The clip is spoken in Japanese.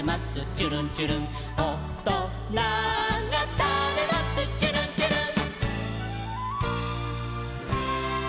ちゅるんちゅるん」「おとながたべますちゅるんちゅるん」